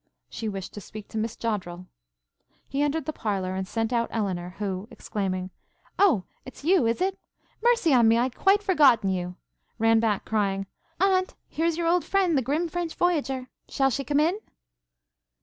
She wished to speak to Miss Joddrel. He entered the parlour, and sent out Elinor, who, exclaiming, 'O, it's you, is it? Mercy on me! I had quite forgotten you! ' ran back, crying, 'Aunt, here's your old friend, the grim French voyager! Shall she come in?'